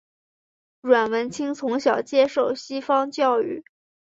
阮文清从小接受西方教育。